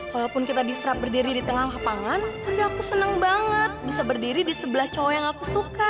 walaupun kita diserap berdiri di tengah lapangan tapi aku senang banget bisa berdiri di sebelah cowok yang aku suka